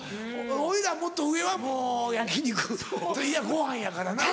おいらもっと上はもう焼き肉といやぁご飯やからな。